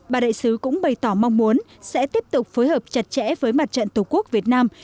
bà đại sứ cũng bày tỏ mong muốn sẽ tiếp tục phối hợp chặt chẽ với mặt trận tổ quốc việt nam